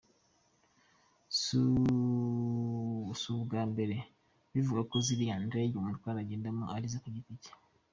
Si ubwa mbere bivugwa ko ziriya ndege umutware agenderamo ari ize ku giti cye.